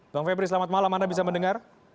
bang febri selamat malam anda bisa mendengar